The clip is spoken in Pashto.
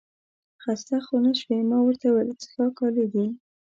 خسته خو نه شوې؟ ما ورته وویل څښاک عالي دی.